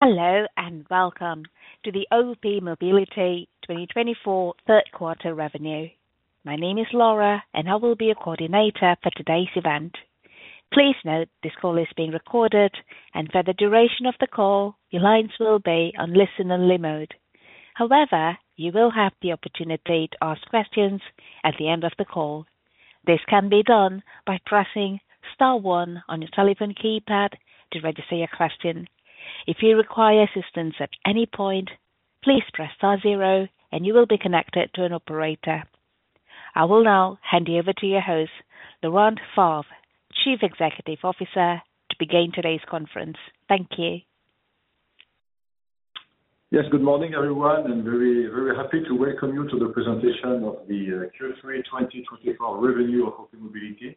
Hello, and welcome to the OPmobility 2024 Third Quarter Revenue. My name is Laura, and I will be your coordinator for today's event. Please note, this call is being recorded, and for the duration of the call, your lines will be on listen-only mode. However, you will have the opportunity to ask questions at the end of the call. This can be done by pressing star one on your telephone keypad to register your question. If you require assistance at any point, please press star zero, and you will be connected to an operator. I will now hand you over to your host, Laurent Favre, Chief Executive Officer, to begin today's conference. Thank you. Yes, good morning, everyone, and very, very happy to welcome you to the presentation of the Q3 2024 revenue of OPmobility.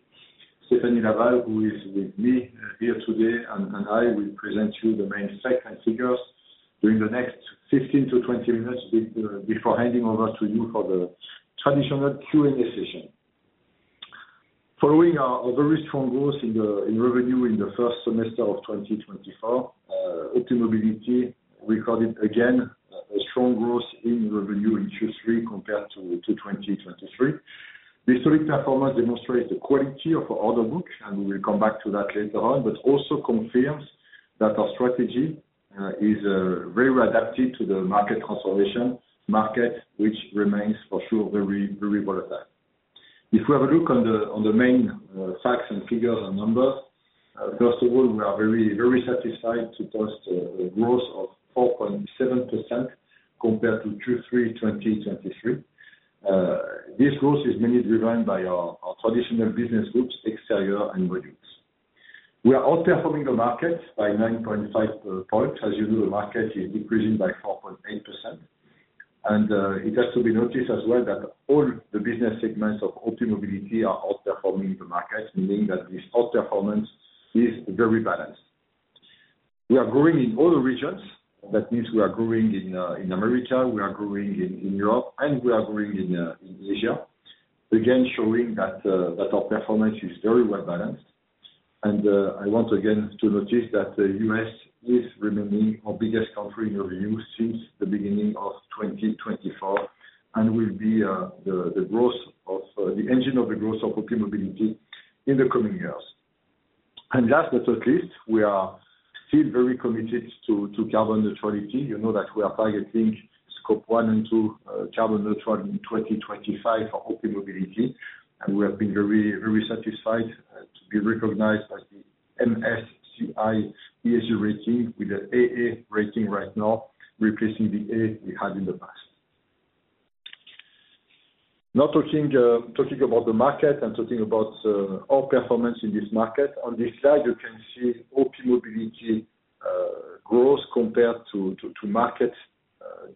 Stéphanie Laval, who is with me here today, and I will present you the main facts and figures during the next 15-20 minutes before handing over to you for the traditional Q&A session. Following our very strong growth in revenue in the first semester of 2024, OPmobility recorded again a strong growth in revenue in Q3 compared to 2023. This solid performance demonstrates the quality of our order book, and we will come back to that later on, but also confirms that our strategy is very well adapted to the market consolidation, which remains for sure, very, very volatile. If we have a look on the main facts and figures and numbers, first of all, we are very, very satisfied to post a growth of 4.7% compared to Q3 2023. This growth is mainly driven by our traditional business groups, exterior and modules. We are outperforming the market by 9.5 points. As you know, the market is decreasing by 4.8%, and it has to be noticed as well that all the business segments of OPmobility are outperforming the market, meaning that this outperformance is very balanced. We are growing in all the regions. That means we are growing in America, we are growing in Europe, and we are growing in Asia. Again, showing that our performance is very well balanced. I want again to notice that the U.S. is remaining our biggest country in revenue since the beginning of 2024 and will be the engine of the growth of OPmobility in the coming years. Last, but not least, we are still very committed to carbon neutrality. You know that we are targeting Scope 1 and 2 carbon neutral in 2025 for OPmobility, and we have been very, very satisfied to be recognized by the MSCI ESG rating with an AA rating right now, replacing the A we had in the past. Now talking about the market and our performance in this market. On this slide, you can see OPmobility growth compared to market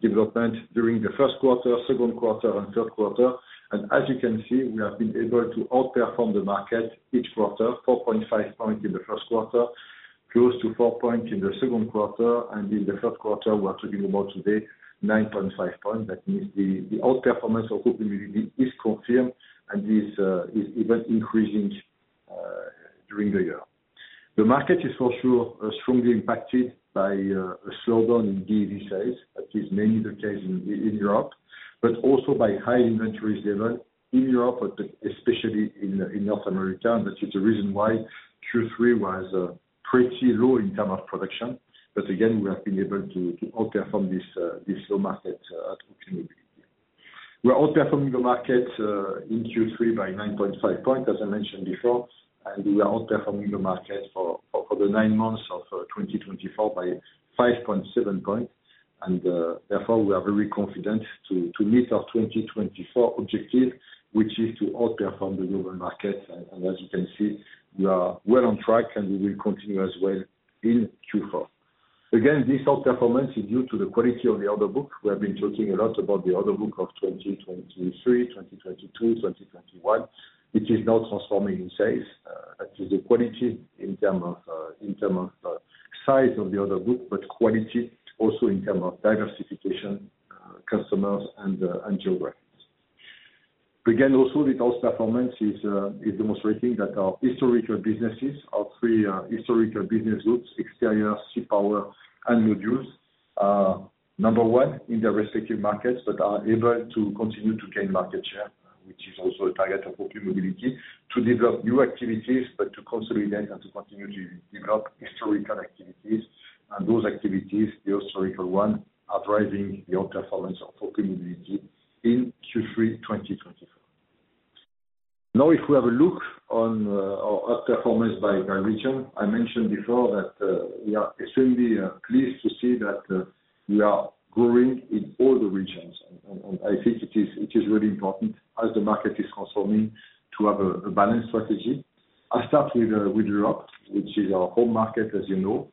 development during the first quarter, second quarter, and third quarter. As you can see, we have been able to outperform the market each quarter, 4.5 points in the first quarter, close to 4 points in the second quarter, and in the third quarter, we are talking about today, 9.5 points. That means the outperformance of OPmobility is confirmed and is even increasing during the year. The market is for sure strongly impacted by a slowdown in EV sales. That is mainly the case in Europe, but also by high inventory levels in Europe, but especially in North America. And that is the reason why Q3 was pretty low in terms of production. But again, we have been able to outperform this slow market at OPmobility. We are outperforming the market in Q3 by 9.5 points, as I mentioned before, and we are outperforming the market for the nine months of 2024 by 5.7 points. And therefore, we are very confident to meet our 2024 objective, which is to outperform the global market. And as you can see, we are well on track, and we will continue as well in Q4. Again, this outperformance is due to the quality of the order book. We have been talking a lot about the order book of 2023, 2022, 2021, which is now transforming into sales. That is the quality in terms of size of the order book, but quality also in terms of diversification, customers, and geographies. Again, also, this outperformance is demonstrating that our historical businesses, our three historical business groups, exteriors, C-Power, and modules, are number one in their respective markets, but are able to continue to gain market share, which is also a target of OPmobility, to develop new activities, but to consolidate and to continue to develop historical activities. Those activities, the historical one, are driving the outperformance of OPmobility in Q3 2024. Now, if we have a look on our outperformance by region, I mentioned before that we are extremely pleased to see that we are growing in all the regions. I think it is really important as the market is consuming, to have a balanced strategy. I'll start with Europe, which is our home market as you know.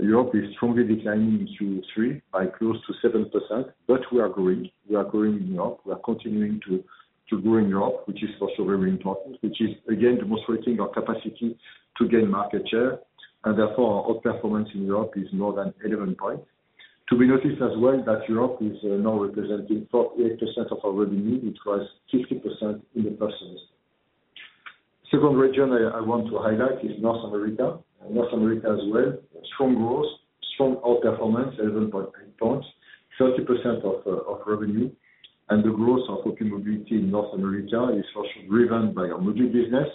Europe is strongly declining in Q3 by close to 7%, but we are growing. We are growing in Europe. We are continuing to grow in Europe, which is also very important, which is again demonstrating our capacity to gain market share, and therefore our outperformance in Europe is more than 11 points. To be noticed as well that Europe is now representing 48% of our revenue, it was 60% in the past years. Second region I want to highlight is North America. And North America as well, strong growth, strong outperformance, 11.8 points, 30% of revenue. And the growth of OPmobility in North America is also driven by our module business,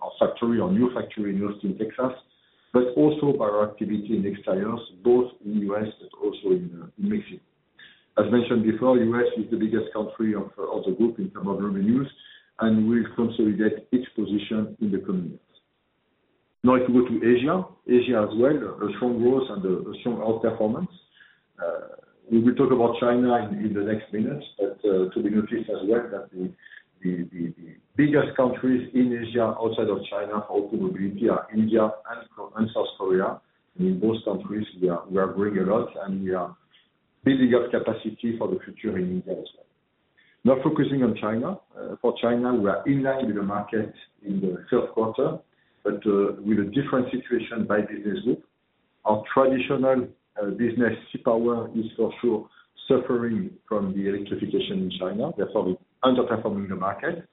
our factory, our new factory in Austin, Texas, but also by our activity in interiors, both in U.S. and also in Mexico. As mentioned before, U.S. is the biggest country of the group in terms of revenues, and we'll consolidate each position in the coming years. Now to go to Asia. Asia as well, a strong growth and a strong outperformance. We will talk about China in the next minutes, but to be noticed as well that the biggest countries in Asia outside of China for OPmobility are India and Korea and South Korea. And in both countries, we are growing a lot, and we are building up capacity for the future in India as well. Now focusing on China. For China, we are in line with the market in the third quarter, but with a different situation by business group. Our traditional business, C-Power, is for sure suffering from the electrification in China, therefore it's underperforming the market.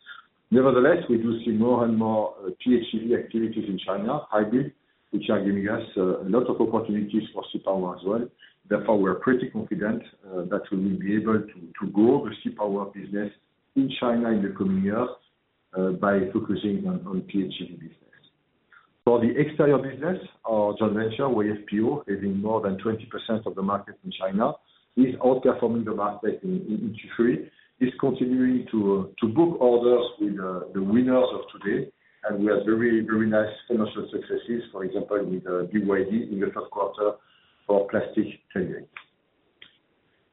Nevertheless, we do see more and more PHEV activities in China, hybrid, which are giving us a lot of opportunities for C-Power as well. Therefore, we're pretty confident that we will be able to grow the C-Power business in China in the coming years by focusing on PHEV business. For the exterior business, our joint venture with YFPO, having more than 20% of the market in China, is outperforming the market in Q3, is continuing to book orders with the winners of today. And we have very, very nice commercial successes, for example, with BYD in the third quarter for plastic tailgate.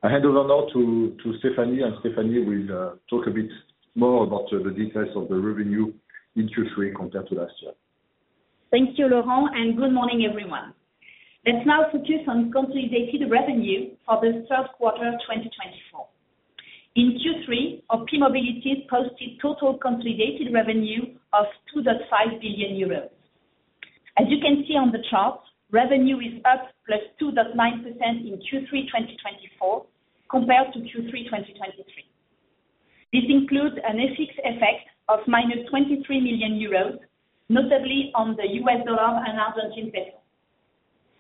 I hand over now to Stéphanie, and Stéphanie will talk a bit more about the details of the revenue in Q3 compared to last year. Thank you, Laurent, and good morning, everyone. Let's now focus on consolidated revenue for the third quarter of 2024. In Q3, OPmobility posted total consolidated revenue of 2.5 billion euros. As you can see on the chart, revenue is up +2.9% in Q3 2024, compared to Q3 2023. This includes an FX effect of -23 million euros, notably on the U.S. dollar and Argentine peso.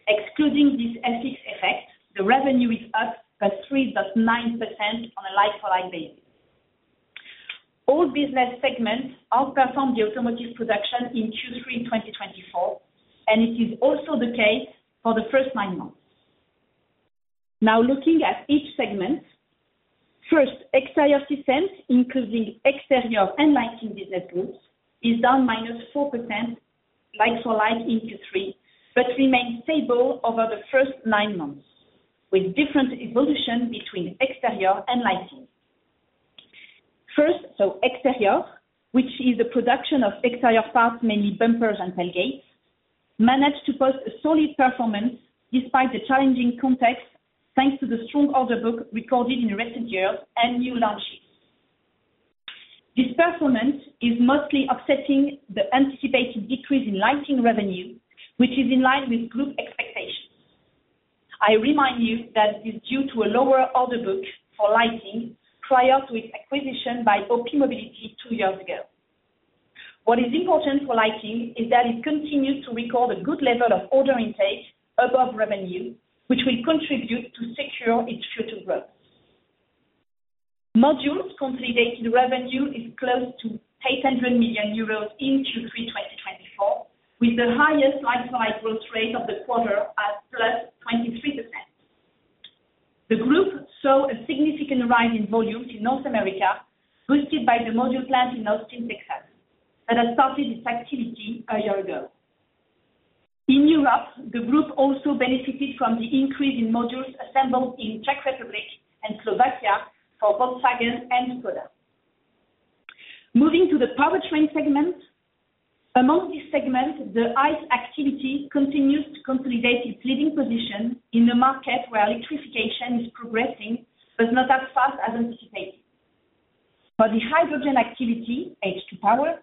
Excluding this FX effect, the revenue is up by 3.9% on a like-for-like basis. All business segments outperformed the automotive production in Q3 2024, and it is also the case for the first nine months. Now, looking at each segment, first, exterior systems, including exterior and lighting business groups, is down 4% like-for-like in Q3, but remains stable over the first nine months, with different evolution between exterior and lighting. First, so exterior, which is the production of exterior parts, mainly bumpers and tailgates, managed to post a solid performance despite the challenging context, thanks to the strong order book recorded in the recent years and new launches. This performance is mostly offsetting the anticipated decrease in lighting revenue, which is in line with group expectations. I remind you that it's due to a lower order book for lighting prior to its acquisition by OPmobility two years ago. What is important for lighting is that it continues to record a good level of order intake above revenue, which will contribute to secure its future growth. Modules consolidated revenue is close to 800 million euros in Q3 2024, with the highest like-for-like growth rate of the quarter at +23%. The group saw a significant rise in volume in North America, boosted by the module plant in Austin, Texas, that has started its activity a year ago. In Europe, the group also benefited from the increase in modules assembled in Czech Republic and Slovakia for both Volkswagen and Skoda. Moving to the powertrain segment. Among this segment, the ICE activity continues to consolidate its leading position in the market, where electrification is progressing, but not as fast as anticipated. For the hydrogen activity, H2 Power,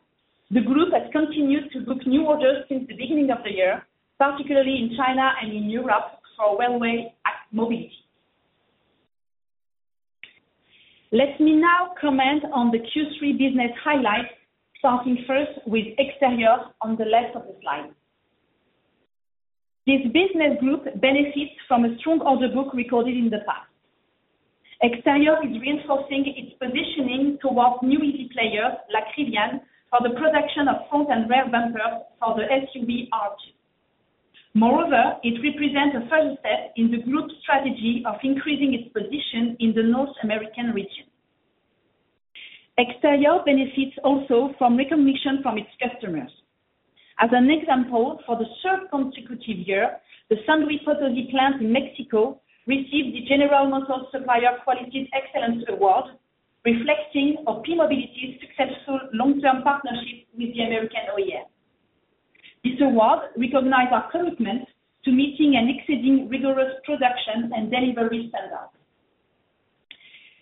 the group has continued to book new orders since the beginning of the year, particularly in China and in Europe, for railway and mobility. Let me now comment on the Q3 business highlights, starting first with Exterior on the left of the slide. This business group benefits from a strong order book recorded in the past. Exterior is reinforcing its positioning towards new EV players, like Rivian, for the production of front and rear bumpers for the SUV R2. Moreover, it represents a further step in the group's strategy of increasing its position in the North American region. Exterior benefits also from recognition from its customers. As an example, for the third consecutive year, the San Luis Potosí plant in Mexico received the General Motors Supplier Quality Excellence Award, reflecting OPmobility's successful long-term partnership with the American OEM. This award recognize our commitment to meeting and exceeding rigorous production and delivery standards.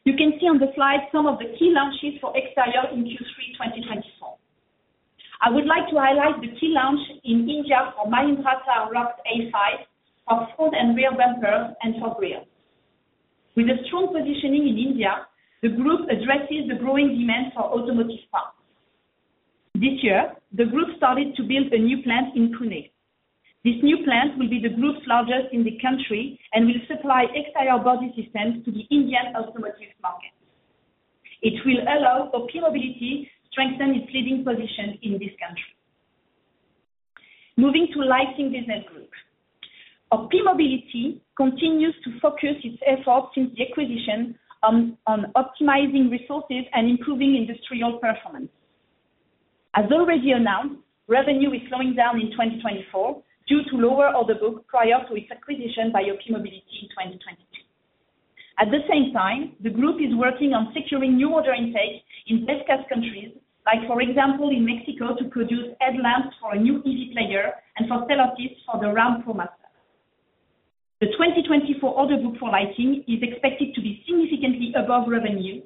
You can see on the slide some of the key launches for Exterior in Q3 2024. I would like to highlight the key launch in India for Mahindra Thar Roxx AX5, for front and rear bumpers and for grille. With a strong positioning in India, the group addresses the growing demand for automotive parts. This year, the group started to build a new plant in Pune. This new plant will be the group's largest in the country, and will supply exterior body systems to the Indian automotive market. It will allow OPmobility strengthen its leading position in this country. Moving to Lighting business group. OPmobility continues to focus its efforts in the acquisition on optimizing resources and improving industrial performance. As already announced, revenue is slowing down in 2024 due to lower order book prior to its acquisition by OPmobility in 2020. At the same time, the group is working on securing new order intake in best-cost countries, like, for example, in Mexico, to produce headlamps for a new EV player and for Stellantis for the Ram ProMaster. The 2024 order book for lighting is expected to be significantly above revenue,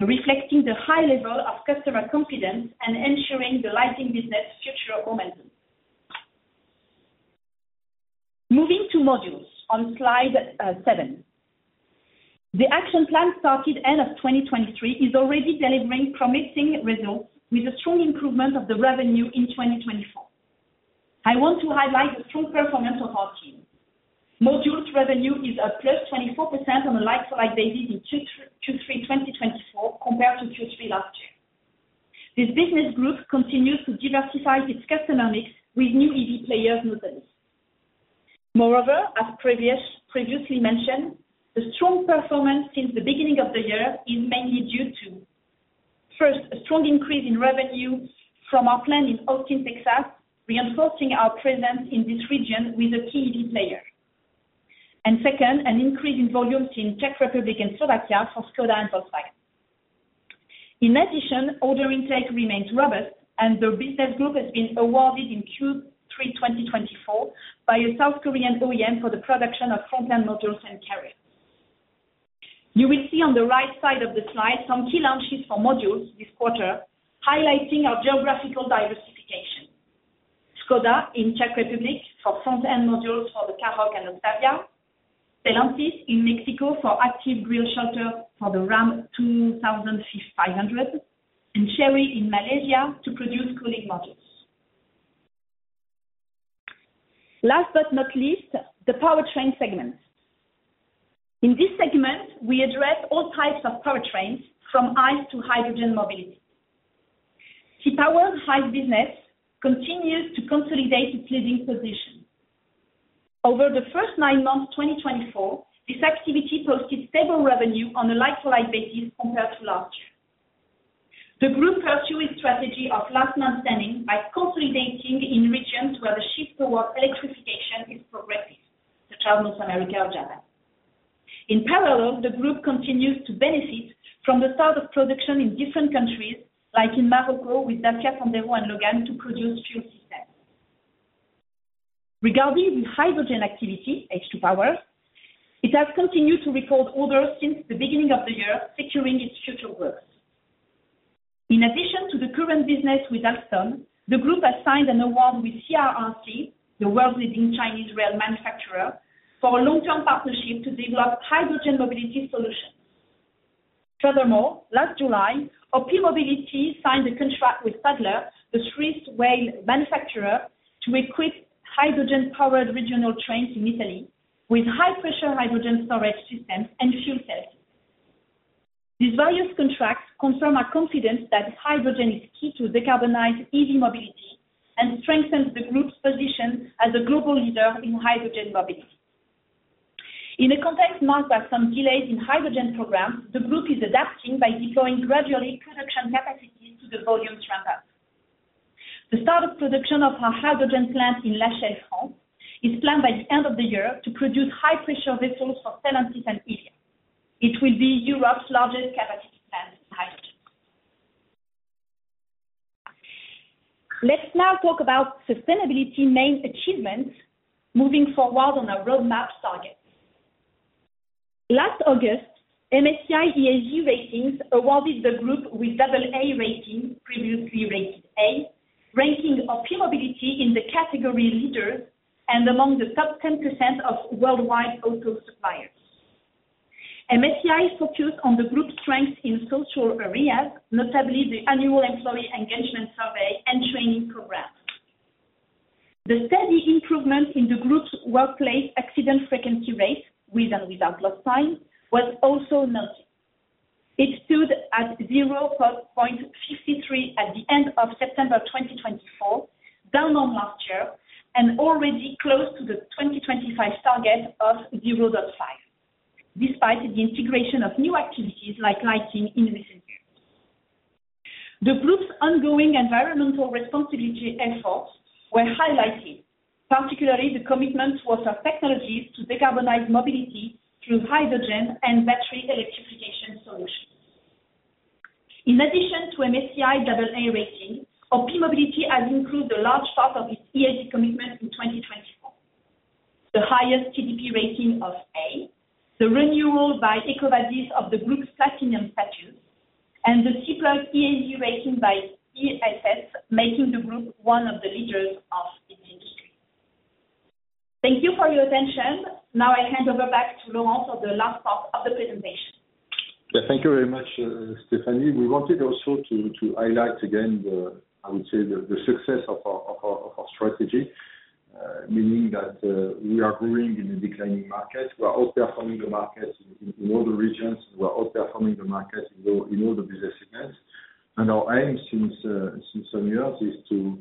reflecting the high level of customer confidence and ensuring the lighting business' future momentum. Moving to Modules, on Slide seven. The action plan started end of 2023, is already delivering promising results, with a strong improvement of the revenue in 2024. I want to highlight the strong performance of our team. Modules revenue is up plus 24% on a like-for-like basis in Q3 2024 compared to Q3 last year. This business group continues to diversify its customer mix with new EV players models. Moreover, as previously mentioned, the strong performance since the beginning of the year is mainly due to, first, a strong increase in revenue from our plant in Austin, Texas, reinforcing our presence in this region with a key EV player. And second, an increase in volumes in Czech Republic and Slovakia for Skoda and Volkswagen. In addition, order intake remains robust, and the business group has been awarded in Q3 2024 by a South Korean OEM for the production of front-end modules and carriers. You will see on the right side of the slide some key launches for modules this quarter, highlighting our geographical diversification. Skoda in Czech Republic for front-end modules for the Karoq and Octavia, Stellantis in Mexico for active grille shutter for the Ram 2500, and Chery in Malaysia to produce cooling modules. Last but not least, the powertrain segment. In this segment, we address all types of powertrains, from ICE to hydrogen mobility. C-Power ICE business continues to consolidate its leading position. Over the first nine months, 2024, this activity posted stable revenue on a like-for-like basis compared to last year. The group pursue its strategy of last man standing by consolidating in regions where the shift towards electrification is progressive, such as North America or China. In parallel, the group continues to benefit from the start of production in different countries, like in Morocco, with Dacia, Sandero, and Logan to produce fuel systems. Regarding the hydrogen activity, H2-Power, it has continued to record orders since the beginning of the year, securing its future growth. In addition to the current business with Alstom, the group has signed an award with CRRC, the world-leading Chinese rail manufacturer, for a long-term partnership to develop hydrogen mobility solutions. Furthermore, last July, OPmobility signed a contract with Stadler, the Swiss rail manufacturer, to equip hydrogen-powered regional trains in Italy with high-pressure hydrogen storage systems and fuel cells. These various contracts confirm our confidence that hydrogen is key to decarbonize EV mobility and strengthens the group's position as a global leader in hydrogen mobility. In a context marked by some delays in hydrogen programs, the group is adapting by deploying gradually production capacities to the volume ramp-up. The start of production of our hydrogen plant in Lachelle, France, is planned by the end of the year to produce high-pressure vessels for Stellantis and Kia. It will be Europe's largest capacity plant in hydrogen. Let's now talk about sustainability main achievements moving forward on our roadmap targets. Last August, MSCI ESG Ratings awarded the group with AA rating, previously rated A, ranking OPmobility in the category leader and among the top 10% of worldwide auto suppliers. MSCI focused on the group's strength in social areas, notably the annual employee engagement survey and training programs. The steady improvement in the group's workplace accident frequency rate, with and without loss time, was also noted. It stood at 0.53 at the end of September 2024, down on last year and already close to the 2025 target of 0.5, despite the integration of new activities like lighting in recent years. The group's ongoing environmental responsibility efforts were highlighted, particularly the commitment towards our technologies to decarbonize mobility through hydrogen and battery electrification solutions. In addition to MSCI AA rating, OPmobility has improved a large part of its ESG commitment in 2024. The highest CDP rating of A, the renewal by EcoVadis of the group's platinum status, and the C+ ESG rating by ISS, making the group one of the leaders of our industry. Thank you for your attention. Now, I hand over back to Laurent for the last part of the presentation. Yeah, thank you very much, Stéphanie. We wanted also to highlight again the, I would say, the success of our strategy, meaning that we are growing in a declining market. We are outperforming the market in all the regions. We are outperforming the market in all the business units. And our aim since some years is to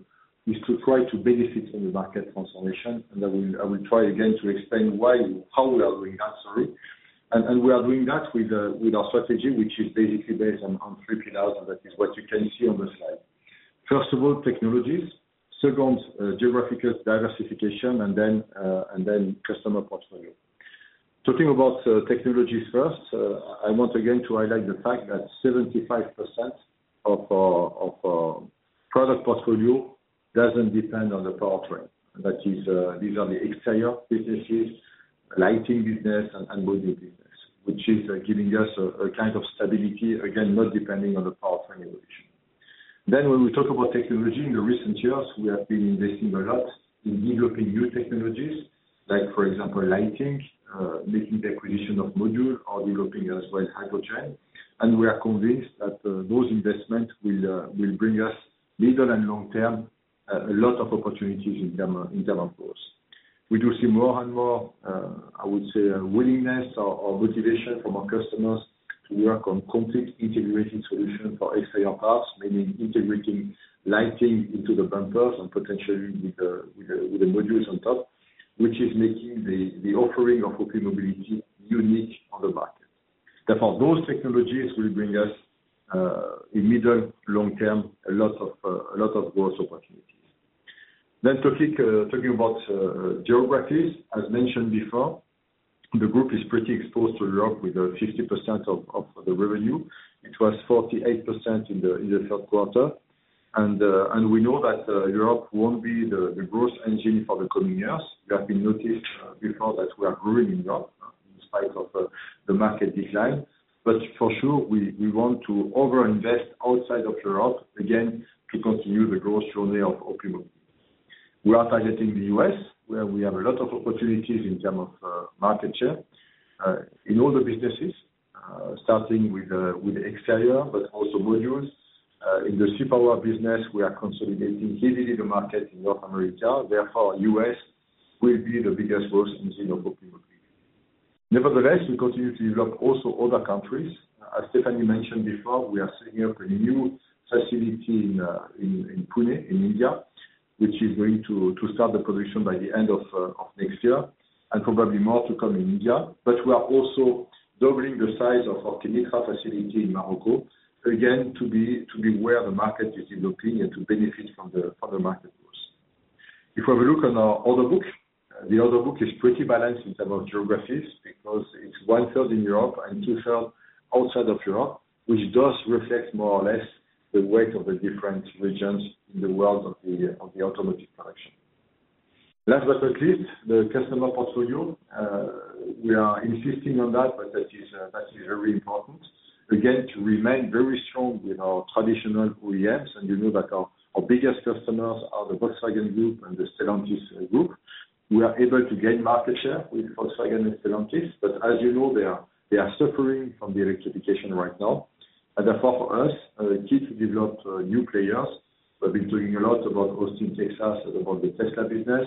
try to benefit from the market consolidation, and I will try again to explain why, how we are doing that, sorry. And we are doing that with our strategy, which is basically based on three pillars, and that is what you can see on the slide. First of all, technologies. Second, geographical diversification, and then customer portfolio. Talking about technologies first, I want again to highlight the fact that 75% of our product portfolio doesn't depend on the powertrain. That is, these are the exterior businesses, lighting business, and module business, which is giving us a kind of stability, again, not depending on the powertrain evolution. Then, when we talk about technology, in the recent years, we have been investing a lot in developing new technologies like, for example, lighting, making the acquisition of module or developing as well hydrogen. And we are convinced that those investments will bring us middle and long term a lot of opportunities in term of growth. We do see more and more, I would say, a willingness or motivation from our customers to work on complete integrated solutions for exterior parts, meaning integrating lighting into the bumpers and potentially with the modules on top, which is making the offering of OPmobility unique on the market. Therefore, those technologies will bring us, in middle long term, a lot of growth opportunities. Talking about geographies. As mentioned before, the group is pretty exposed to Europe with 50% of the revenue. It was 48% in the third quarter, and we know that Europe won't be the growth engine for the coming years. We have noted before that we are growing in Europe in spite of the market decline. But for sure, we want to over-invest outside of Europe, again, to continue the growth journey of OPmobility. We are targeting the U.S., where we have a lot of opportunities in terms of market share in all the businesses, starting with exterior, but also modules. In the powertrain business, we are consolidating heavily the market in North America. Therefore, U.S. will be the biggest growth engine of OPmobility. Nevertheless, we continue to develop also other countries. As Stéphanie mentioned before, we are setting up a new facility in Pune, in India, which is going to start the production by the end of next year, and probably more to come in India. But we are also doubling the size of our Kenitra facility in Morocco, again, to be where the market is developing and to benefit from the market growth. If we look on our order book, the order book is pretty balanced in terms of geographies, because it's one-third in Europe and two-thirds outside of Europe, which does reflect more or less the weight of the different regions in the world of the automotive production. Last but not least, the customer portfolio. We are insisting on that, but that is very important, again, to remain very strong with our traditional OEMs. And you know that our biggest customers are the Volkswagen Group and the Stellantis Group. We are able to gain market share with Volkswagen and Stellantis, but as you know, they are suffering from the electrification right now, and therefore, for us, it is to develop new players. We've been talking a lot about Austin, Texas, about the Tesla business.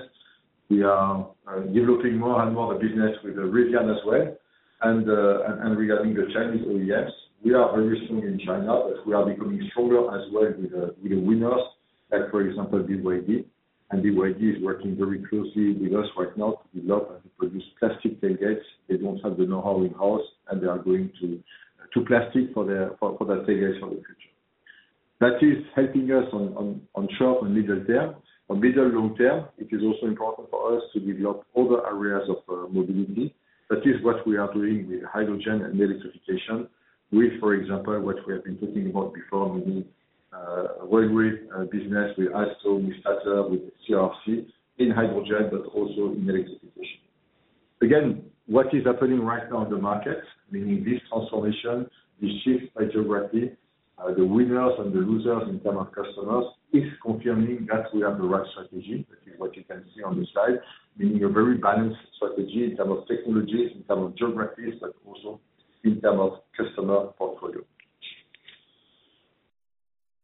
We are developing more and more the business with the Rivian as well, and regarding the Chinese OEMs, we are very strong in China, but we are becoming stronger as well with the winners, like, for example, BYD, and BYD is working very closely with us right now to develop and produce plastic tailgates. They don't have the know-how in-house, and they are going to plastic for their tailgates of the future. That is helping us on short and middle term. medium to long term, it is also important for us to develop other areas of mobility. That is what we are doing with hydrogen and electrification, with, for example, what we have been talking about before, meaning railway business with Alstom, with Stadler, with CRRC in hydrogen, but also in electrification. Again, what is happening right now in the market, meaning this transformation, the shift by geography, the winners and the losers in terms of customers, is confirming that we have the right strategy. That is what you can see on this slide, meaning a very balanced strategy in terms of technologies, in terms of geographies, but also in terms of customer portfolio.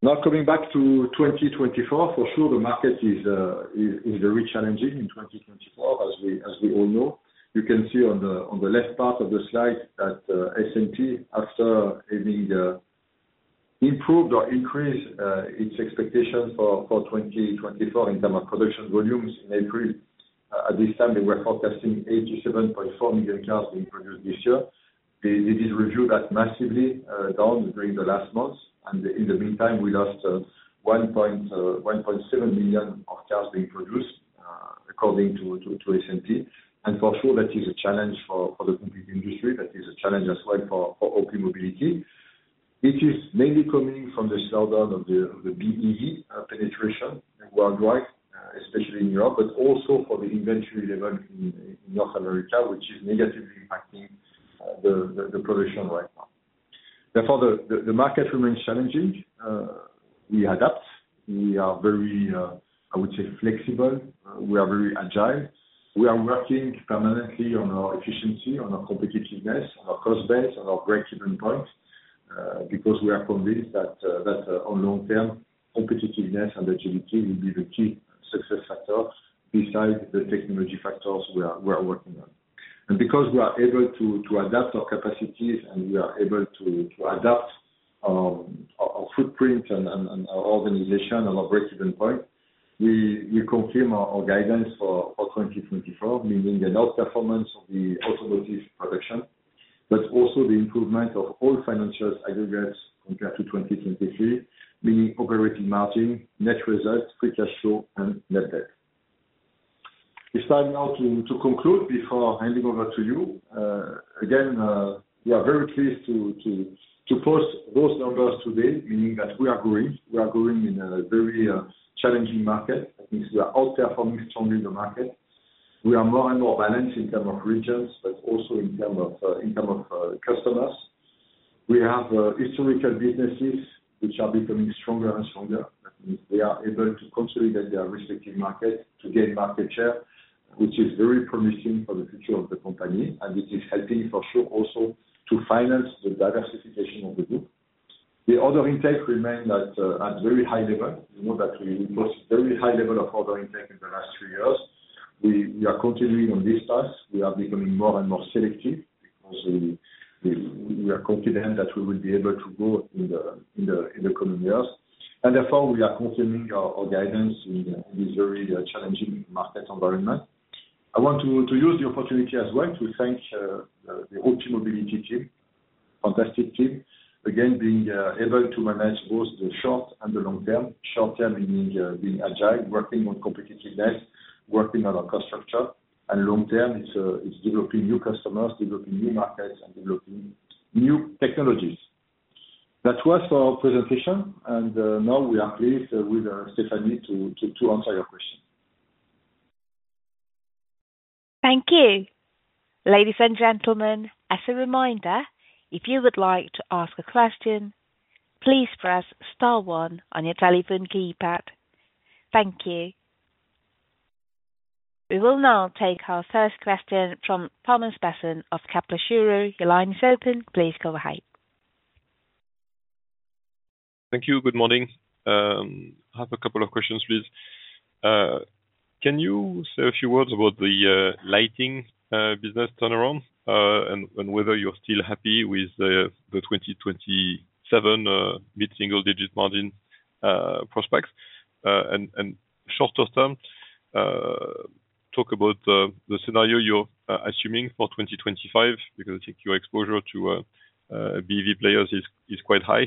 Now, coming back to 2024, for sure, the market is very challenging in 2024, as we all know. You can see on the left part of the slide that S&T, after having improved or increased its expectations for 2024 in terms of production volumes in April, at this time, they were forecasting 87.4 million cars being produced this year. It is revised massively down during the last months, and in the meantime, we lost 1.7 million cars being produced according to S&T. And for sure, that is a challenge for the complete industry. That is a challenge as well for OPmobility, which is mainly coming from the slowdown of the BEV penetration worldwide, especially in Europe, but also for the inventory level in North America, which is negatively impacting the production right now. Therefore, the market remains challenging. We adapt. We are very, I would say flexible. We are very agile. We are working permanently on our efficiency, on our competitiveness, on our cost base, on our breakeven point, because we are convinced that on long term, competitiveness and agility will be the key success factors besides the technology factors we are working on. And because we are able to adapt our capacities and we are able to adapt our footprint and our organization and our breakeven point, we confirm our guidance for 2024, meaning an outperformance of the automotive production, but also the improvement of all financial aggregates compared to 2023, meaning operating margin, net results, free cash flow, and net debt. It's time now to conclude before handing over to you. Again, we are very pleased to post those numbers today, meaning that we are growing. We are growing in a very challenging market, that means we are outperforming strongly in the market. We are more and more balanced in term of regions, but also in term of customers. We have historical businesses which are becoming stronger and stronger. That means they are able to consolidate their respective market, to gain market share, which is very promising for the future of the company, and this is helping for sure also to finance the diversification of the group. The order intake remain at very high level. We know that we post very high level of order intake in the last three years. We are continuing on this path. We are becoming more and more selective because we are confident that we will be able to grow in the coming years. And therefore, we are confirming our guidance in this very challenging market environment. I want to use the opportunity as well to thank the OPmobility team, fantastic team. Again, being able to manage both the short and the long term. Short term meaning being agile, working on competitiveness, working on our cost structure, and long term, it's developing new customers, developing new markets, and developing new technologies. That was for our presentation, and now we are pleased with Stéphanie to answer your question. Thank you. Ladies and gentlemen, as a reminder, if you would like to ask a question, please press star one on your telephone keypad. Thank you. We will now take our first question from Thomas Besson of Kepler Cheuvreux. Your line is open, please go ahead. Thank you. Good morning. I have a couple of questions, please. Can you say a few words about the lighting business turnaround, and whether you're still happy with the 2027 mid-single digit margin prospects? And shorter term, talk about the scenario you're assuming for 2025, because I think your exposure to BEV players is quite high.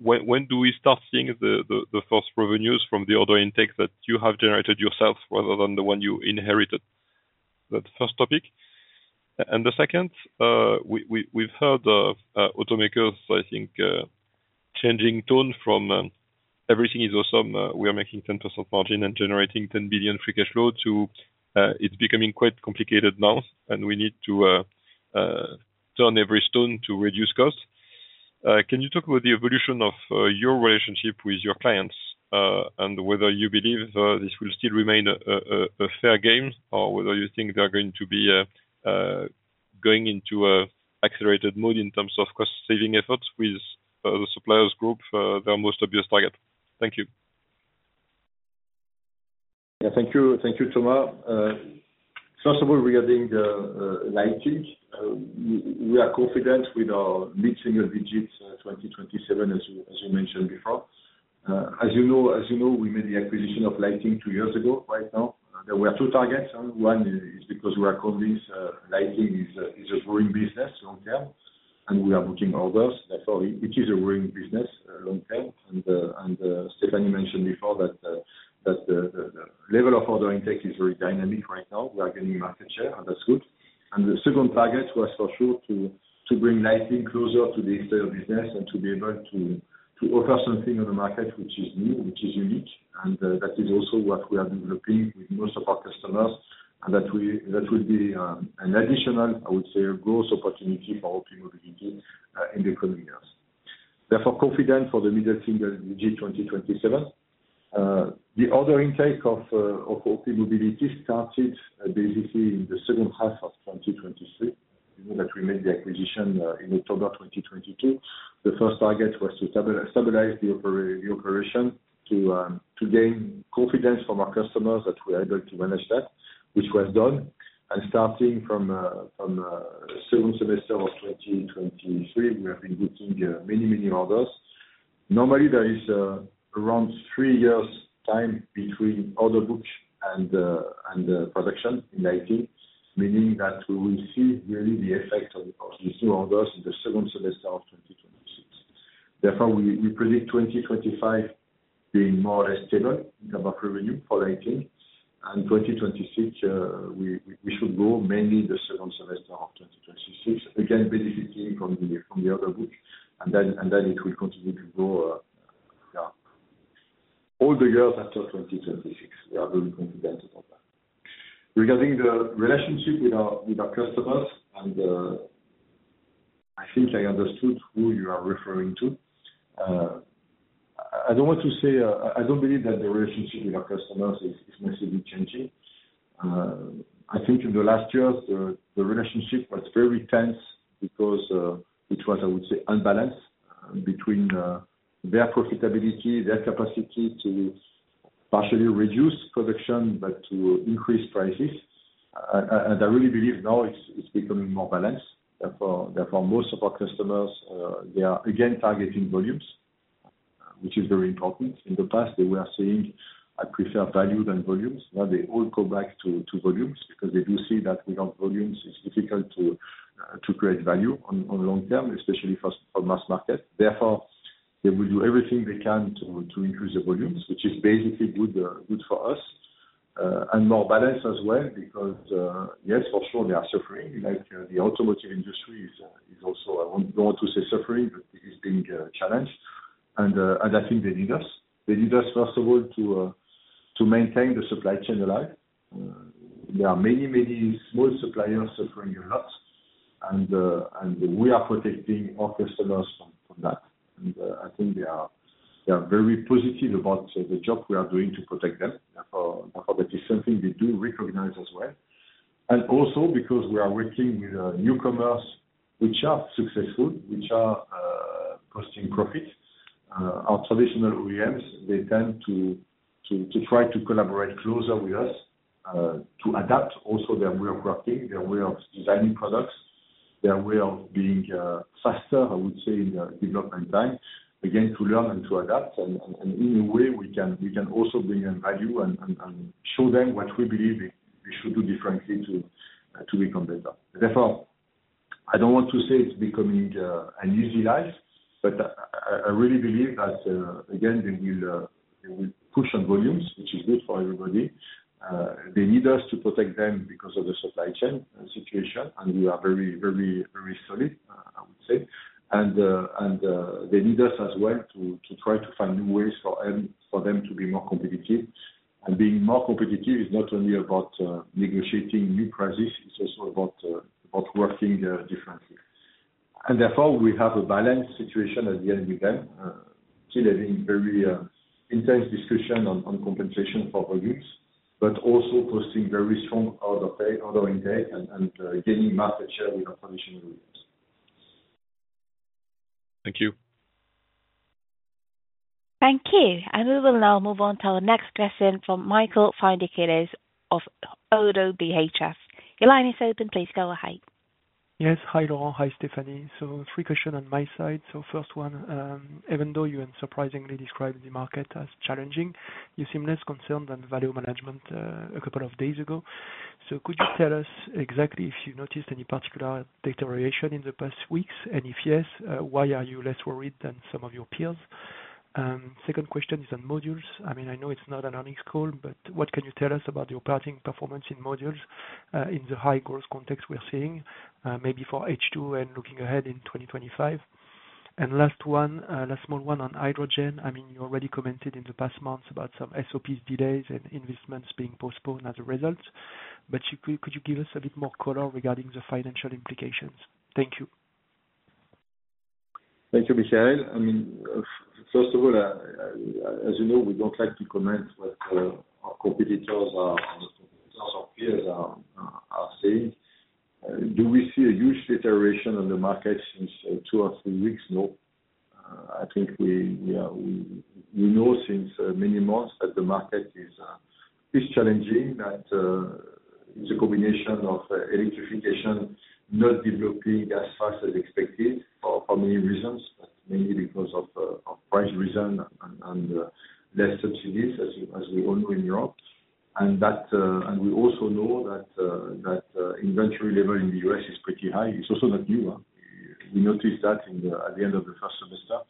When do we start seeing the first revenues from the order intakes that you have generated yourself, rather than the one you inherited? That's first topic. And the second, we've heard of automakers, I think, changing tone from everything is awesome, we are making 10% margin and generating 10 billion free cash flow to it's becoming quite complicated now, and we need to turn every stone to reduce costs. Can you talk about the evolution of your relationship with your clients, and whether you believe this will still remain a fair game, or whether you think they are going to be going into an accelerated mode in terms of cost saving efforts with the suppliers group, their most obvious target? Thank you. Yeah, thank you. Thank you, Thomas. First of all, regarding the lighting, we are confident with our mid-single digits, 2027, as you mentioned before. As you know, we made the acquisition of lighting two years ago right now. There were two targets. One is because we are convinced lighting is a growing business long term, and we are booking orders. Therefore, it is a growing business long term. Stéphanie mentioned before that the level of order intake is very dynamic right now. We are gaining market share, and that's good. The second target was for sure to bring lighting closer to the interior business and to be able to offer something on the market which is new, which is unique, and that is also what we are developing with most of our customers. And that will be an additional, I would say, a growth opportunity for OPmobility in the coming years. Therefore, confident for the mid-single digit 2027. The order intake of OPmobility started basically in the second half of 2023, you know, that we made the acquisition in October 2022. The first target was to stabilize the operation, to gain confidence from our customers that we are able to manage that, which was done. Starting from second semester of 2023, we have been booking many, many orders. Normally, there is around three years' time between order book and production in lighting, meaning that we will see really the effect of the orders in the second semester of 2026. Therefore, we predict 2025 being more or less stable in terms of revenue for lighting. And 2026, we should grow mainly the second semester of 2026. Again, basically from the order book, and then it will continue to grow, yeah, all the years after 2026. We are very confident about that. Regarding the relationship with our customers, and I think I understood who you are referring to. I don't want to say I don't believe that the relationship with our customers is massively changing. I think in the last years, the relationship was very tense because it was, I would say, unbalanced between their profitability, their capacity to partially reduce production, but to increase prices. And I really believe now it's becoming more balanced. Therefore, most of our customers they are again targeting volumes, which is very important. In the past, they were saying, "I prefer value than volumes." Now they all go back to volumes, because they do see that without volumes, it's difficult to create value on long term, especially for mass market. Therefore, they will do everything they can to increase the volumes, which is basically good for us, and more balanced as well, because, yes, for sure, they are suffering. Like, the automotive industry is also, I don't want to say suffering, but it is being challenged. And, and I think they need us. They need us, first of all, to maintain the supply chain alive. There are many small suppliers suffering a lot, and, and we are protecting our customers from that. And, I think they are very positive about the job we are doing to protect them. Therefore, that is something they do recognize as well. And also, because we are working with newcomers which are successful, which are posting profits, our traditional OEMs, they tend to try to collaborate closer with us, to adapt also their way of working, their way of designing products, their way of being faster, I would say, in the development time, again, to learn and to adapt. And in a way, we can also bring them value and show them what we believe they should do differently to become better. Therefore, I don't want to say it's becoming an easy life, but I really believe that, again, they will push on volumes, which is good for everybody. They need us to protect them because of the supply chain situation, and we are very, very, very solid, I would say, and they need us as well to try to find new ways for them to be more competitive, and being more competitive is not only about negotiating new prices, it's also about working differently, and therefore, we have a balanced situation at the end of the day. Still having very intense discussion on compensation for volumes, but also posting very strong out of pay, order intake and gaining market share with our traditional OEMs. Thank you. Thank you. And we will now move on to our next question from Michael Foundoukidis of Oddo BHF. Your line is open. Please go ahead. Yes. Hi, Laurent. Hi, Stéphanie. So three questions on my side. So first one, even though you unsurprisingly described the market as challenging, you seem less concerned than Valeo management a couple of days ago. So could you tell us exactly if you noticed any particular deterioration in the past weeks? And if yes, why are you less worried than some of your peers? Second question is on modules. I mean, I know it's not an earnings call, but what can you tell us about your pricing performance in modules in the high growth context we are seeing? Maybe for H2 and looking ahead in 2025. And last one, last small one on hydrogen. I mean, you already commented in the past months about some SOPs delays and investments being postponed as a result, but could you give us a bit more color regarding the financial implications? Thank you. Thank you, Michael. I mean, first of all, as you know, we don't like to comment what our competitors are, or our peers are saying. Do we see a huge deterioration on the market since two or three weeks? No. I think we know since many months that the market is challenging, that it's a combination of electrification not developing as fast as expected for many reasons, but mainly because of price reason and less subsidies, as we all know in Europe. And we also know that inventory level in the US is pretty high. It's also not new, huh? We noticed that at the end of the first semester.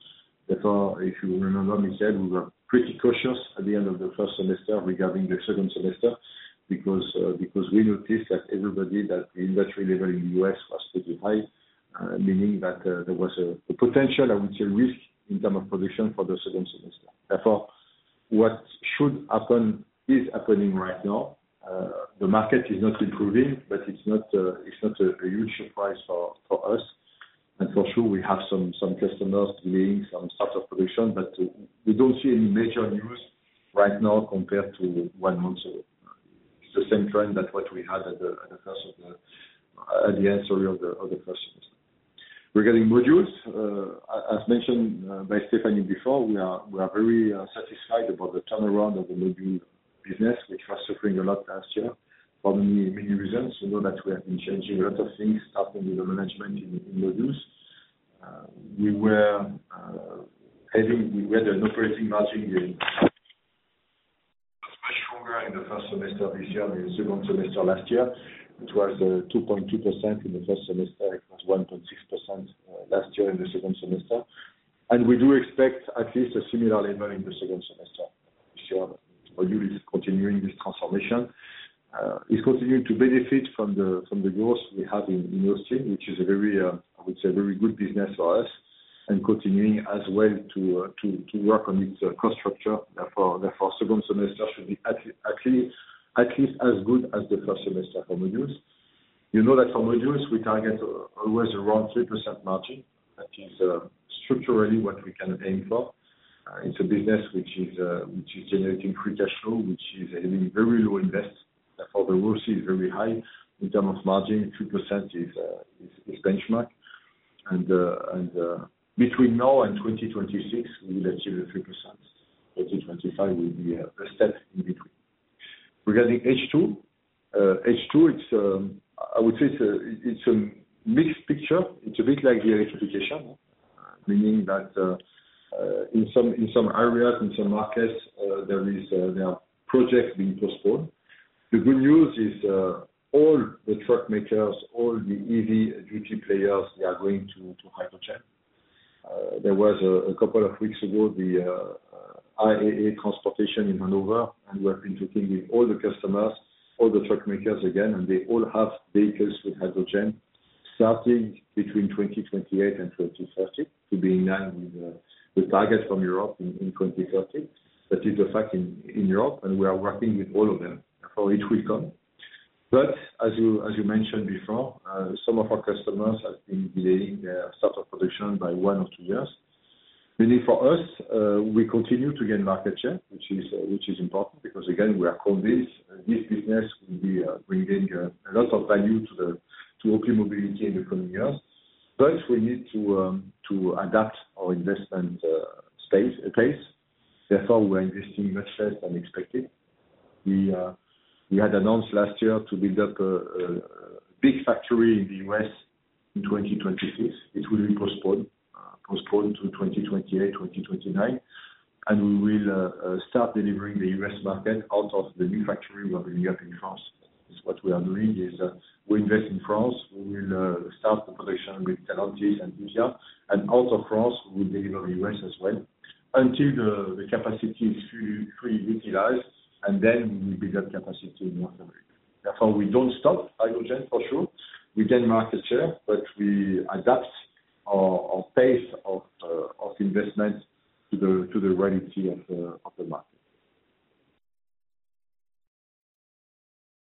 Therefore, if you remember, we said we were pretty cautious at the end of the first semester regarding the second semester, because because we noticed that everybody, that the inventory level in the U.S. was pretty high, meaning that there was a potential, I would say, risk in term of production for the second semester. Therefore, what should happen is happening right now. The market is not improving, but it's not a huge surprise for us. And for sure, we have some customers delaying some start of production, but we don't see any major news right now compared to one month ago. It's the same trend that what we had at the end, sorry, of the first semester. Regarding modules, as mentioned by Stéphanie before, we are very satisfied about the turnaround of the module business, which was suffering a lot last year for many, many reasons. We know that we have been changing a lot of things, starting with the management in modules. We had an operating margin in, much stronger in the first semester this year, than the second semester last year. It was 2.2% in the first semester, it was 1.6% last year in the second semester. And we do expect at least a similar level in the second semester. Sure, module is continuing this transformation. is continuing to benefit from the growth we have in Austin, which is a very, I would say, a very good business for us, and continuing as well to work on its cost structure. Therefore, second semester should be at least as good as the first semester for modules. You know that for modules, we target always around 3% margin. That is, structurally what we can aim for. It's a business which is generating free cash flow, which is a very low invest. Therefore, the ROIC is very high. In terms of margin, 3% is benchmark. And between now and 2026, we will achieve the 3%. 2025 will be a step in between. Regarding H2, H2, it's, I would say it's a, it's a mixed picture. It's a bit like the electrification, meaning that, in some, in some areas, in some markets, there is, there are projects being postponed. The good news is, all the truck makers, all the heavy-duty players, they are going to, to hydrogen. There was a couple of weeks ago, the IAA Transportation in Hannover, and we have been talking with all the customers, all the truck makers again, and they all have vehicles with hydrogen, starting between 2028 and 2030, to be in line with, the target from Europe in, 2030. That is a fact in Europe, and we are working with all of them, for it will come. But as you mentioned before, some of our customers have been delaying their start of production by one or two years. Meaning for us, we continue to gain market share, which is important, because, again, we are convinced this business will be bringing a lot of value to OPmobility in the coming years. But we need to adapt our investment pace. Therefore, we are investing much less than expected. We had announced last year to build up a big factory in the U.S. in 2026. It will be postponed to 2028, 2029. And we will start delivering the U.S. market out of the new factory we are building up in France. It's what we are doing, we invest in France. We will start production with Stellantis and Kia, and out of France, we deliver U.S. as well, until the capacity is fully utilized, and then we build up capacity in North America. Therefore, we don't stop hydrogen, for sure. We gain market share, but we adapt our pace of investment to the reality of the market.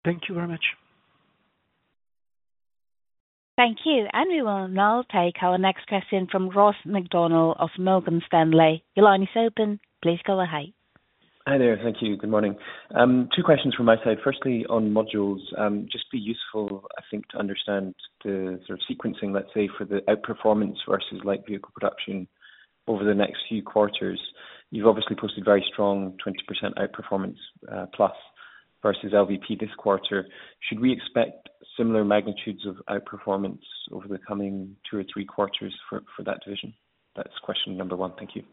Thank you very much. Thank you, and we will now take our next question from Ross McDonald of Morgan Stanley. Your line is open. Please go ahead. Hi there. Thank you. Good morning. Two questions from my side. Firstly, on modules, just be useful, I think, to understand the sort of sequencing, let's say, for the outperformance versus light vehicle production over the next few quarters. You've obviously posted very strong 20% outperformance, plus versus LVP this quarter. Should we expect similar magnitudes of outperformance over the coming two or three quarters for that division? That's question number one. Thank you.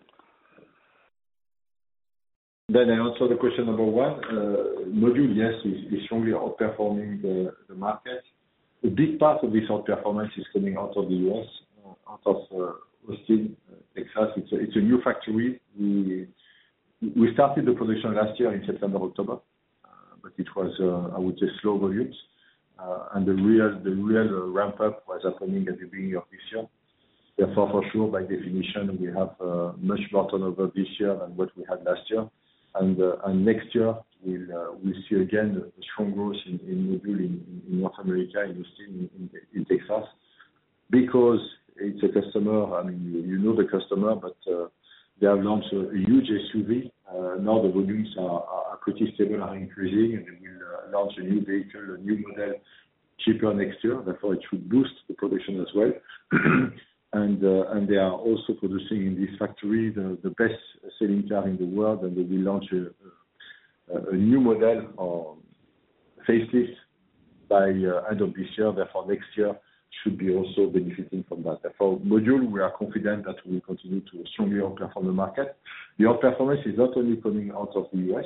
I answer the question, number one. Module, yes, is strongly outperforming the market. A big part of this outperformance is coming out of the U.S., out of Austin, Texas. It's a new factory. We started the production last year in September, October, but it was, I would say, slow volumes. And the real ramp-up was happening at the beginning of this year. Therefore, for sure, by definition, we have much more turnover this year than what we had last year. Next year, we'll see again the strong growth in module in North America, in Austin, in Texas. Because it's a customer, I mean, you know the customer, but they have launched a huge SUV. Now the volumes are pretty stable, are increasing, and we will launch a new vehicle, a new model, cheaper next year. Therefore, it should boost the production as well, and they are also producing in this factory the best-selling car in the world, and they will launch a new model or facelift by end of this year. Therefore, next year should also be benefiting from that. Therefore, module, we are confident that we will continue to strongly outperform the market. The outperformance is not only coming out of the U.S.,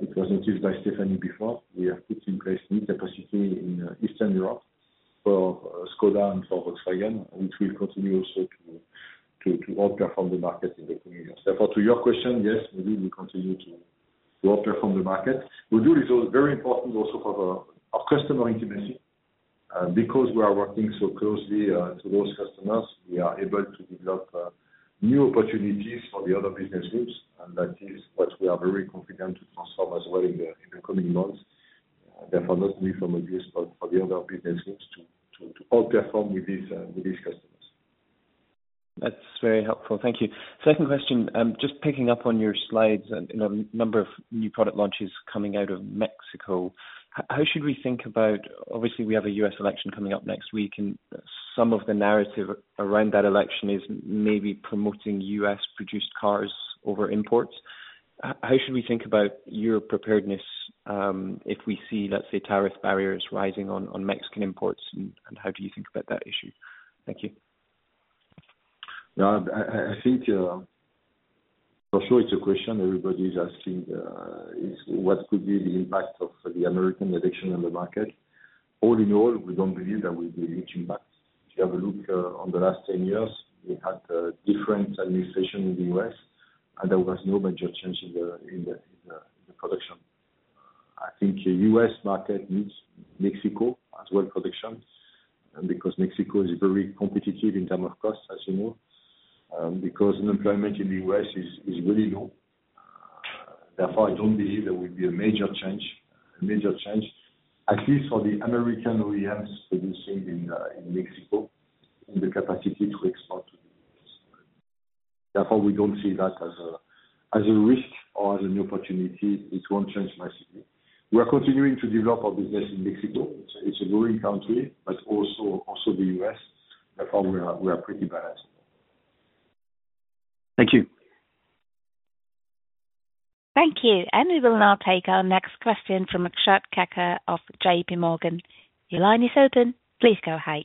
it was mentioned by Stéphanie before. We have put in place new capacity in Eastern Europe for Skoda and for Volkswagen, which will continue also to outperform the market in the coming years. Therefore, to your question, yes, we will continue to outperform the market. Modules is also very important for our customer intimacy. Because we are working so closely to those customers, we are able to develop new opportunities for the other business groups, and that is what we are very confident to transform as well in the coming months. Therefore, not only from modules, but for the other business groups to outperform with these customers. That's very helpful. Thank you. Second question, just picking up on your slides and, you know, number of new product launches coming out of Mexico. How should we think about... Obviously, we have a U.S. election coming up next week, and some of the narrative around that election is maybe promoting U.S.-produced cars over imports. How should we think about your preparedness, if we see, let's say, tariff barriers rising on Mexican imports, and how do you think about that issue? Thank you. No, I think for sure it's a question everybody's asking: is what could be the impact of the American election on the market? All in all, we don't believe that we'll be reaching back. If you have a look on the last 10 years, we had different administrations in the U.S., and there was no major change in the production. I think the U.S. market needs Mexico as well, production, and because Mexico is very competitive in terms of cost, as you know, because unemployment in the U.S. is really low. Therefore, I don't believe there will be a major change, at least for the American OEMs producing in Mexico, in the capacity to export. Therefore, we don't see that as a risk or as a new opportunity. It won't change massively. We are continuing to develop our business in Mexico. It's a growing country, but also the U.S., therefore we are pretty balanced. Thank you. Thank you. We will now take our next question from Akshat Kaka of J.P. Morgan. Your line is open, please go ahead.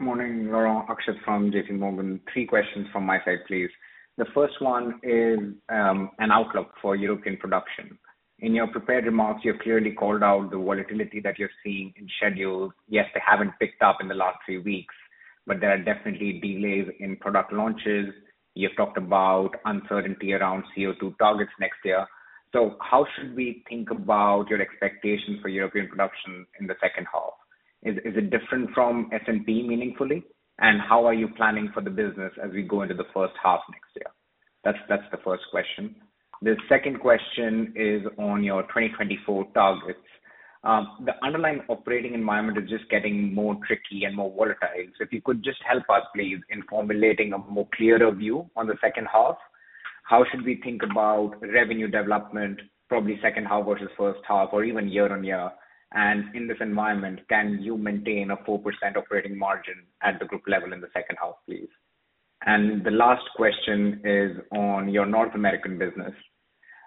Morning, Laurent. Akshat from J.P. Morgan. Three questions from my side, please. The first one is an outlook for European production. In your prepared remarks, you have clearly called out the volatility that you're seeing in schedules. Yes, they haven't picked up in the last few weeks, but there are definitely delays in product launches. You've talked about uncertainty around CO2 targets next year. So how should we think about your expectations for European production in the second half? Is it different from S&P meaningfully? And how are you planning for the business as we go into the first half next year? That's the first question. The second question is on your 2024 targets. The underlying operating environment is just getting more tricky and more volatile. So if you could just help us, please, in formulating a more clearer view on the second half. How should we think about revenue development, probably second half versus first half, or even year-on-year? And in this environment, can you maintain a 4% operating margin at the group level in the second half, please? And the last question is on your North American business.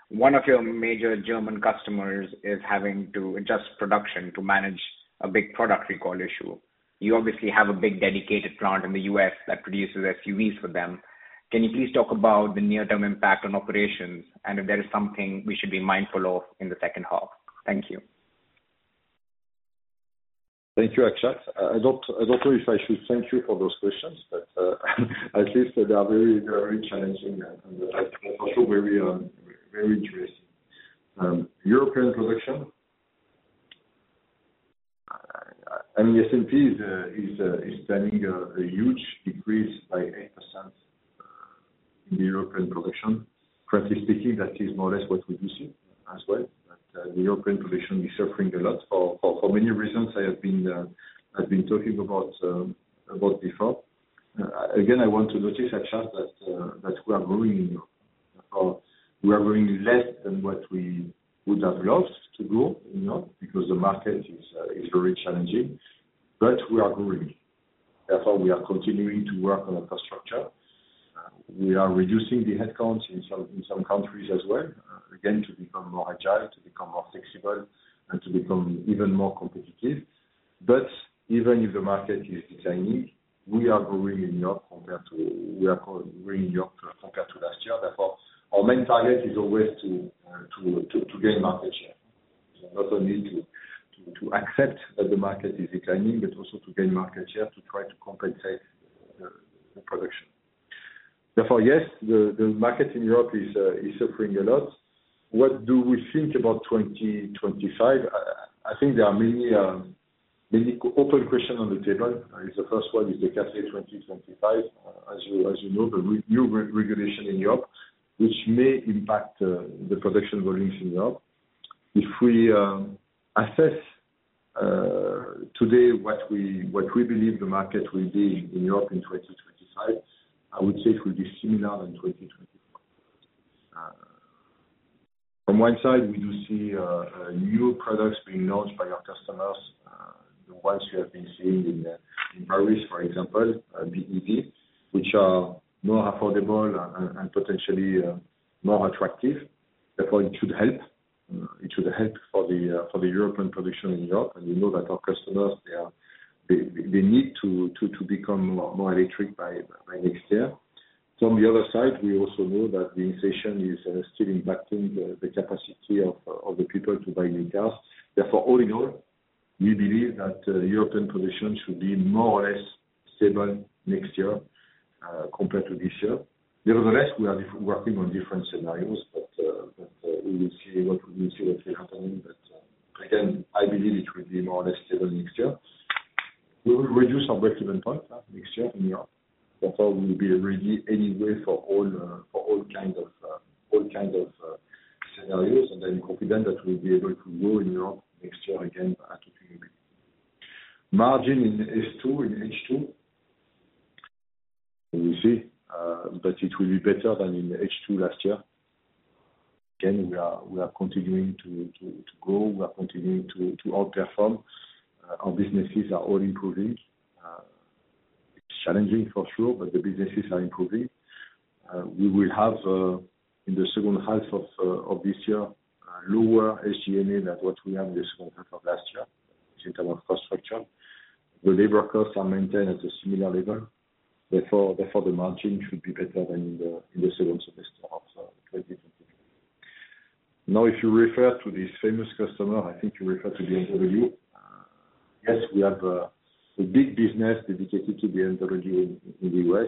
One of your major German customers is having to adjust production to manage a big product recall issue. You obviously have a big dedicated plant in the U.S. that produces SUVs for them. Can you please talk about the near-term impact on operations, and if there is something we should be mindful of in the second half? Thank you. Thank you, Akshat. I don't know if I should thank you for those questions, but at least they are very, very challenging and also very interesting. European production, I mean, S&P is planning a huge decrease by 8% in the European production. Frankly speaking, that is more or less what we be seeing as well. But the European production is suffering a lot for how many reasons I have been talking about before. Again, I want to notice, Akshat, that we are growing less than what we would have loved to grow, you know, because the market is very challenging, but we are growing. Therefore, we are continuing to work on our cost structure. We are reducing the headcounts in some countries as well, again, to become more agile, to become more flexible, and to become even more competitive. But even if the market is declining, we are growing in Europe compared to last year. Therefore, our main target is always to gain market share. So not only to accept that the market is declining, but also to gain market share, to try to compensate the production. Therefore, yes, the market in Europe is suffering a lot. What do we think about 2025? I think there are many, many open questions on the table. The first one is the CAFE 2025. As you know, the new regulation in Europe, which may impact the production volumes in Europe. If we assess today what we believe the market will be in Europe in 2025, I would say it will be similar in 2024. From one side, we do see new products being launched by our customers, the ones we have been seeing in Paris, for example, BEV, which are more affordable and potentially more attractive. Therefore, it should help for the European production in Europe. And we know that our customers, they need to become more electric by next year. From the other side, we also know that the inflation is still impacting the capacity of the people to buy new cars. Therefore, all in all, we believe that European production should be more or less stable next year compared to this year. Nevertheless, we are working on different scenarios, but we will see what will happen. But again, I believe it will be more or less stable next year. We will reduce our breakeven point next year in Europe. Therefore, we will be ready anyway for all kinds of scenarios, and I'm confident that we'll be able to grow in Europe next year again significantly. Margin in H2, we will see, but it will be better than in H2 last year. Again, we are continuing to grow. We are continuing to outperform. Our businesses are all improving. It's challenging for sure, but the businesses are improving. We will have, in the second half of this year, lower SG&A than what we have this quarter of last year, in terms of cost-... The labor costs are maintained at a similar level. Therefore, the margin should be better than in the second semester of 2020. Now, if you refer to this famous customer, I think you refer to the BMW. Yes, we have a big business dedicated to the BMW in the U.S.,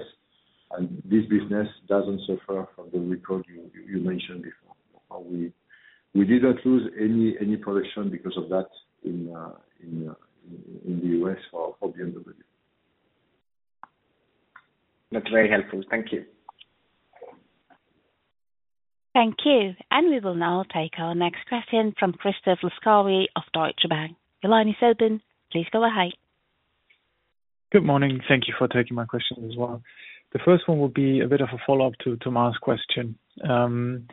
and this business doesn't suffer from the recall you mentioned before. We did not lose any production because of that in the U.S. for BMW. That's very helpful. Thank you. Thank you. And we will now take our next question from Christoph Laskawi of Deutsche Bank. Your line is open, please go ahead. Good morning, thank you for taking my question as well. The first one will be a bit of a follow-up to Marc's question. On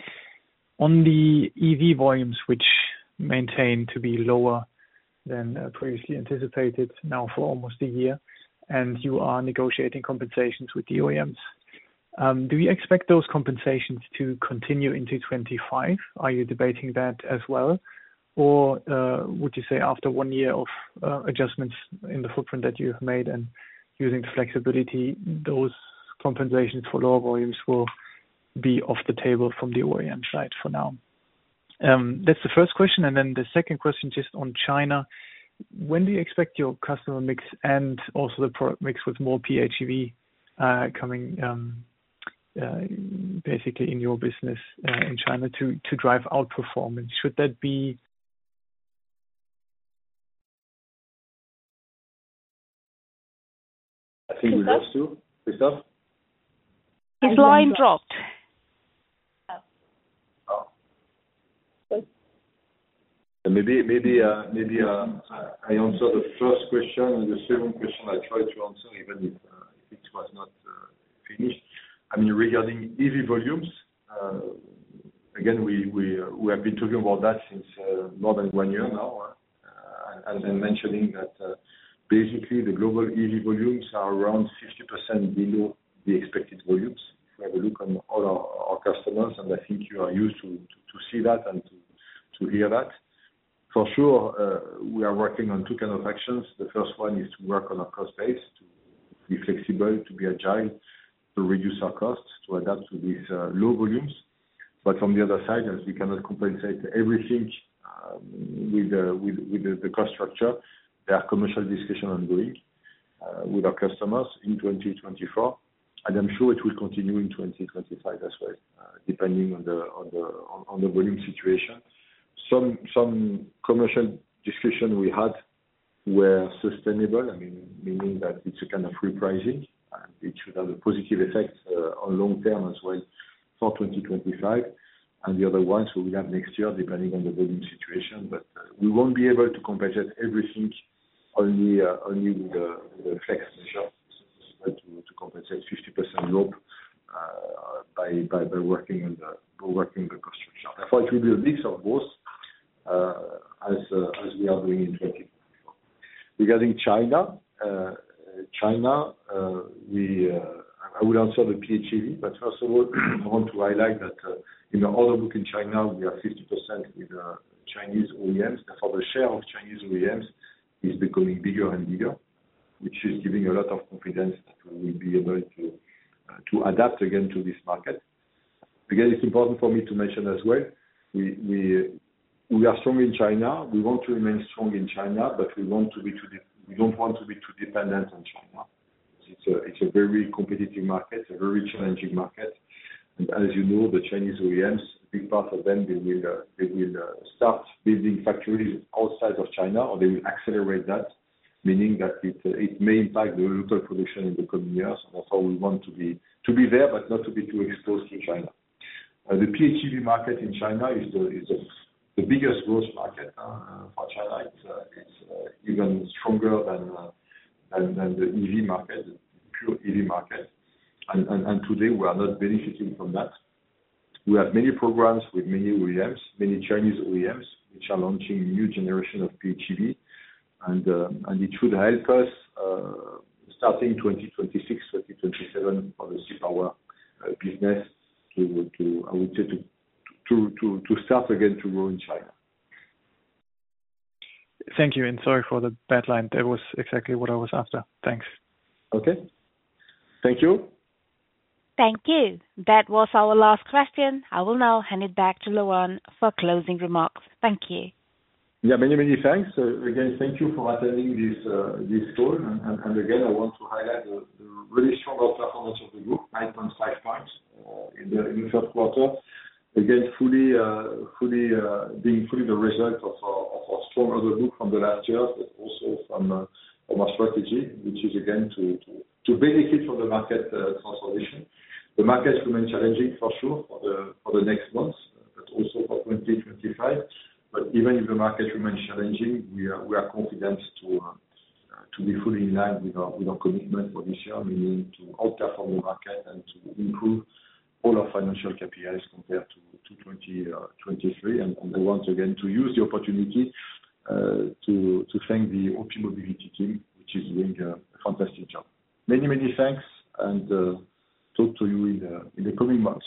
the EV volumes, which maintain to be lower than previously anticipated now for almost a year, and you are negotiating compensations with the OEMs. Do you expect those compensations to continue into 2025? Are you debating that as well? Or would you say after one year of adjustments in the footprint that you've made and using flexibility, those compensations for lower volumes will be off the table from the OEM side for now? That's the first question, and then the second question, just on China: When do you expect your customer mix and also the product mix with more PHEV coming basically in your business in China to drive outperformance? Should that be- I think we lost you. Christoph? His line dropped. Oh. Maybe I answer the first question, and the second question I try to answer even if it was not finished. I mean, regarding EV volumes, again, we have been talking about that since more than one year now, and mentioning that, basically, the global EV volumes are around 60% below the expected volumes. If I look on all our customers, and I think you are used to see that and to hear that. For sure, we are working on two kind of actions. The first one is to work on our cost base, to be flexible, to be agile, to reduce our costs, to adapt to these low volumes. But from the other side, as we cannot compensate everything, with the cost structure, there are commercial discussions ongoing, with our customers in 2024, and I'm sure it will continue in 2025 as well, depending on the volume situation. Some commercial discussion we had were sustainable, I mean, meaning that it's a kind of repricing, and it should have a positive effect, on long term as well for 2025, and the other ones we will have next year, depending on the volume situation. But, we won't be able to compensate everything only, only with the flex measure, but to compensate 50% drop, by working the cost structure. Therefore, it will be a mix of both, as we are doing in 2024. Regarding China, I will answer the PHEV, but first of all, I want to highlight that in the order book in China, we are 50% with Chinese OEMs. Therefore, the share of Chinese OEMs is becoming bigger and bigger, which is giving a lot of confidence that we'll be able to adapt again to this market. Again, it's important for me to mention as well, we are strong in China. We want to remain strong in China, but we don't want to be too dependent on China. It's a very competitive market, a very challenging market, and as you know, the Chinese OEMs, big part of them, they will start building factories outside of China, or they will accelerate that. Meaning that it may impact the local production in the coming years, and that's why we want to be there, but not to be too exposed to China. The PHEV market in China is the biggest growth market for China. It's even stronger than the EV market, pure EV market. And today, we are not benefiting from that. We have many programs with many OEMs, many Chinese OEMs, which are launching new generation of PHEV, and it should help us starting 2026, 2027, for the C-Power business. We will do, I would say, to start again to grow in China. Thank you, and sorry for the bad line. That was exactly what I was after. Thanks. Okay. Thank you. Thank you. That was our last question. I will now hand it back to Laurent for closing remarks. Thank you. Yeah, many, many thanks. Again, thank you for attending this call, and again I want to highlight the really stronger performance of the group, 8.5 points in the first quarter, again fully being the result of our strong overview from the last year, but also from our strategy, which is again to benefit from the market transformation. The market remains challenging for sure, for the next months, but also for 2025, but even if the market remains challenging, we are confident to be fully in line with our commitment for this year, meaning to outperform the market and to improve all our financial KPIs compared to 2023. Once again, to use the opportunity to thank the OPmobility team, which is doing a fantastic job. Many thanks and talk to you in the coming months.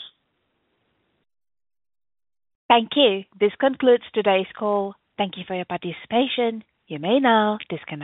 Thank you. This concludes today's call. Thank you for your participation. You may now disconnect.